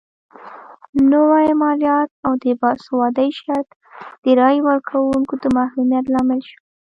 نوي مالیات او د باسوادۍ شرط د رایې ورکونکو د محرومیت لامل شول.